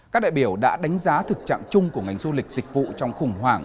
các đại biểu đã đánh giá thực trạng chung của ngành du lịch dịch vụ trong khủng hoảng